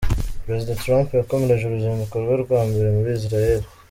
Perezida Trump yakomereje uruzinduko rwe rwa mbere muri Israel.